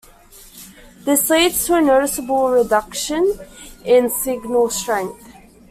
This leads to a noticeable reduction in signal strength.